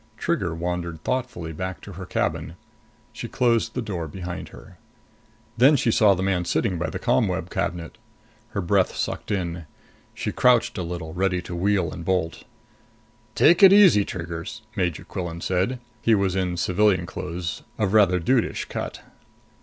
Trigger wandered thoughtfully back to her cabin. She closed the door behind her. Then she saw the man sitting by the ComWeb cabinet. Her breath sucked in. She crouched a little, ready to wheel and bolt. "Take it easy, Trigger!" Major Quillan said. He was in civilian clothes, of rather dudish cut.